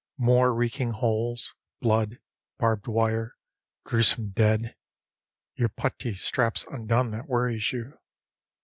More reeking holes, blood, barbed wire, gruesome dead; (Your puttee strap's undone that worries you).